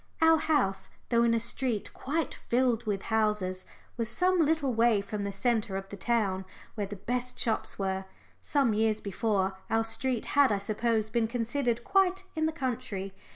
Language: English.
Our house, though in a street quite filled with houses, was some little way from the centre of the town, where the best shops were some years before, our street had, I suppose, been considered quite in the country.